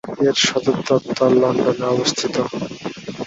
এর সদর দপ্তর লন্ডনে অবস্থিত।